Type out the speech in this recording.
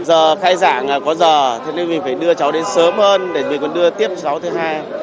giờ khai giảng có giờ thế nên mình phải đưa cháu đến sớm hơn để mình còn đưa tiếp cháu thứ hai